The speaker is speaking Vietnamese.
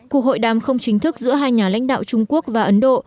cuộc hội đàm không chính thức giữa hai nhà lãnh đạo trung quốc và ấn độ